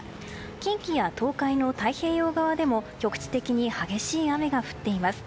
近畿や東海の太平洋側でも局地的に激しい雨が降っています。